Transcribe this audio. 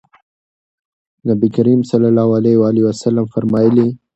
نبي کريم صلی الله عليه وسلم فرمايلي: